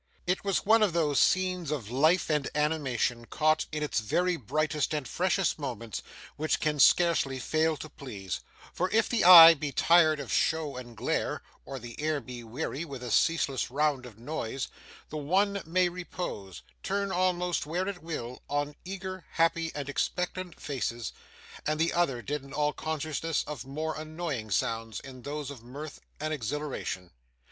It was one of those scenes of life and animation, caught in its very brightest and freshest moments, which can scarcely fail to please; for if the eye be tired of show and glare, or the ear be weary with a ceaseless round of noise, the one may repose, turn almost where it will, on eager, happy, and expectant faces, and the other deaden all consciousness of more annoying sounds in those of mirth and exhilaration.